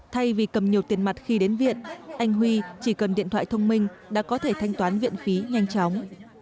thay vì cầm nhiều tiền mặt khi đến viện anh huy chỉ cần điện thoại thông minh đã có thể thanh toán viện phí nhanh chóng